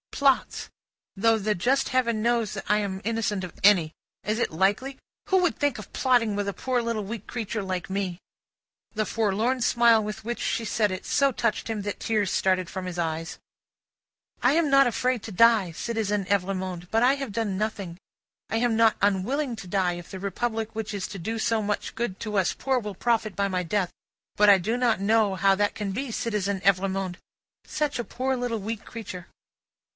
"Plots. Though the just Heaven knows that I am innocent of any. Is it likely? Who would think of plotting with a poor little weak creature like me?" The forlorn smile with which she said it, so touched him, that tears started from his eyes. "I am not afraid to die, Citizen Evrémonde, but I have done nothing. I am not unwilling to die, if the Republic which is to do so much good to us poor, will profit by my death; but I do not know how that can be, Citizen Evrémonde. Such a poor weak little creature!"